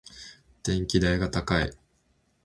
電気代が高い。